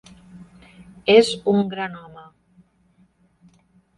És un gran home.